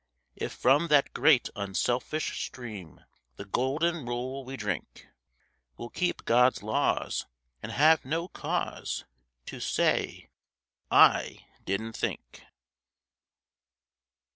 If from that great, unselfish stream, The Golden Rule we drink, We'll keep God's laws, and have no cause To say 'I didn't think.'